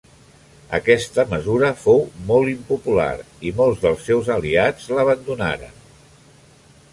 Aquesta mesura fou molt impopular i molts dels seus aliats l'abandonaren.